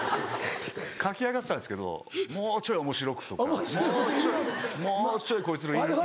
書き上がったんですけどもうちょいおもしろくとかもうちょいこいつのいいとこ。